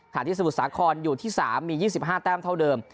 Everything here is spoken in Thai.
ที่สมุทรสาครอยู่ที่๓มี๒๕แต้มเท่าเดิม